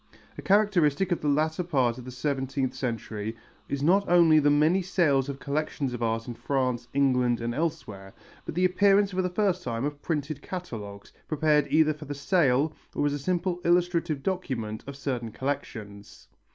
A characteristic of the latter part of the seventeenth century is not only the many sales of collections of art in France, England and elsewhere, but the appearance for the first time of printed catalogues, prepared either for the sale or as a simple illustrative document of certain collections.